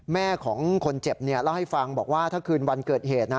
แม่ของคนเจ็บเล่าให้ฟังบอกว่าถ้าคืนวันเกิดเหตุนะ